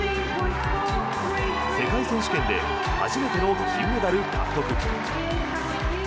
世界選手権で初めての金メダル獲得。